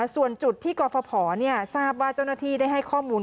ส่วนจุดที่กรฟภทราบว่าเจ้าหน้าที่ได้ให้ข้อมูล